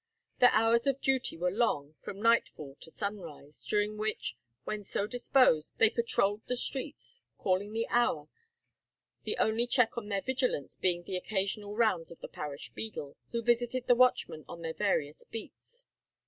Their hours of duty were long, from night fall to sunrise, during which, when so disposed, they patrolled the streets, calling the hour, the only check on their vigilance being the occasional rounds of the parish beadle, who visited the watchmen on their various beats.